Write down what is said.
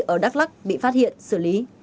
ở đắk lắc bị phát hiện xử lý